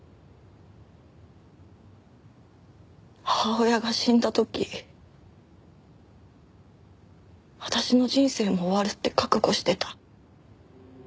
母親が死んだ時私の人生も終わるって覚悟してた。